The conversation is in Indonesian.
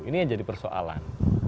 ini yang jadi persoalan